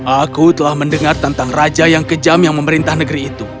aku telah mendengar tentang raja yang kejam yang memerintah negeri itu